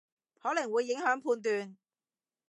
可能會影響判斷